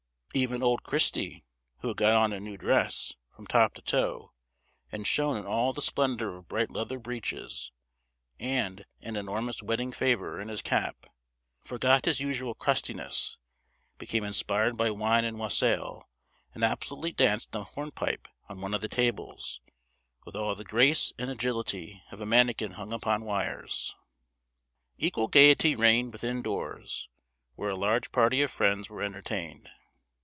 Even old Christy, who had got on a new dress, from top to toe, and shone in all the splendour of bright leather breeches, and an enormous wedding favour in his cap, forgot his usual crustiness, became inspired by wine and wassail, and absolutely danced a hornpipe on one of the tables, with all the grace and agility of a mannikin hung upon wires. Equal gaiety reigned within doors, where a large party of friends were entertained.